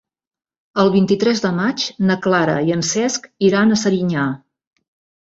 El vint-i-tres de maig na Clara i en Cesc iran a Serinyà.